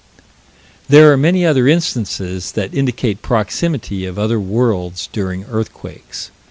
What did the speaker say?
There are many other instances that indicate proximity of other world's during earthquakes.